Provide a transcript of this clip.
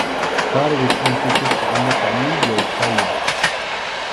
Tarwi tʼimpuchisqa unuqa millay haya.